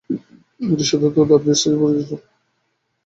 এটি সাধারণত "the bridge" হিসাবে পরিচিত।